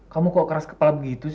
kamu kok keras kepala begitu